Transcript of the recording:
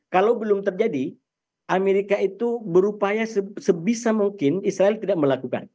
kalau belum terjadi amerika itu berupaya sebisa mungkin israel tidak melakukan